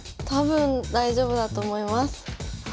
多分大丈夫だと思います。